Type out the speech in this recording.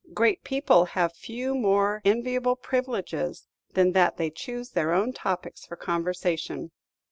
Great people have few more enviable privileges than that they choose their own topics for conversation.